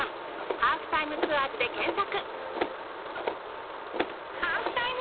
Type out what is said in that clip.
『ハーフタイムツアーズ』で検索！